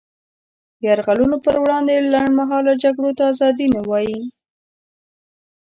د یرغلونو پر وړاندې لنډمهاله جګړو ته ازادي نه وايي.